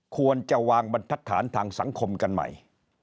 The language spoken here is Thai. ควรจะวางบรรทัดฐานทางสังคมกันใหม่